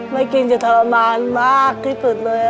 ไม่กินจะทรมานมากที่สุดเลย